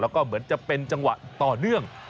แล้วก็เหมือนจะเป็นจังหวะต่อเนื่อง